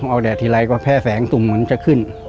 เอาแดดทีไรก็แพร่แฝงตุงเหมือนจะขึ้น